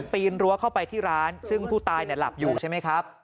ปีนรั้วเข้าไปที่ร้านซึ่งผู้ตายหลับอยู่ใช่ไหมครับ